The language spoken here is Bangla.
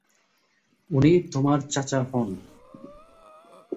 উনি তোমার চাচা হন।